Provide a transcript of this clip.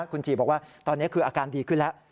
คุณจีบอกว่าตอนนี้คืออาการดีขึ้นแล้ว